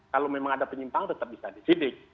kalau memang ada penyimpangan tetap bisa disidik